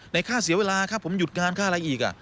ค่าเสียเวลาค่าผมหยุดงานค่าอะไรอีก